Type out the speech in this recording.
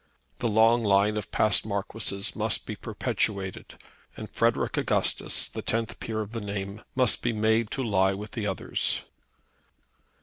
The long line of past Marquises must be perpetuated, and Frederic Augustus, the tenth peer of the name, must be made to lie with the others.